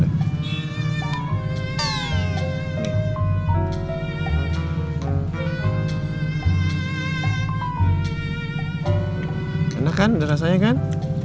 enak kan udah rasanya kan